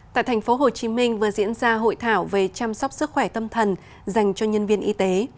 tại thành phố hồ chí minh vừa diễn ra hội thảo về chăm sóc sức khỏe tâm thần dành cho nhân viên y tế